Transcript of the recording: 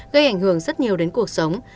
gây ảnh hưởng rất nhiều đến cuộc sống